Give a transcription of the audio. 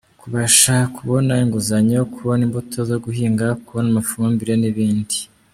Kubasha kubona inguzanyo, kubona imbuto zo guhinga, kubona amafumbire n’ibindi.